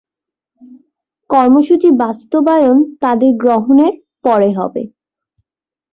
কর্মসূচি বাস্তবায়ন তাদের গ্রহণের পরে হবে।